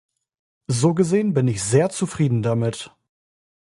So gesehen bin ich sehr zufrieden damit.